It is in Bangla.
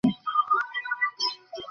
খুব চালাক মহিলা সে।